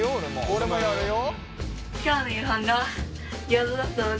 俺もやるよ。